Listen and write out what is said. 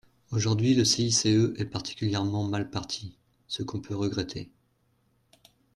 Aujourd’hui, le CICE est particulièrement mal parti, ce qu’on peut regretter.